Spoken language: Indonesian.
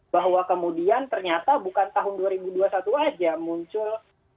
bahwa kemudian ternyata bukan tahun dua ribu dua puluh satu saja muncul